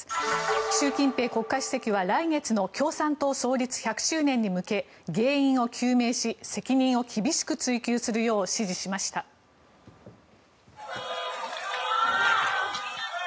習近平国家主席は来月の共産党創立１００周年に向け原因を究明し責任を厳しく追及するよう指示しました。